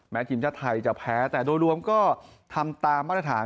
ทีมชาติไทยจะแพ้แต่โดยรวมก็ทำตามมาตรฐาน